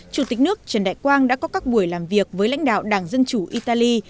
chủ tịch nước trần đại quang đã có các buổi làm việc với lãnh đạo đảng dân chủ italy